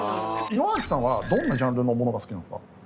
井之脇さんはどんなジャンルのものが好きなんですか？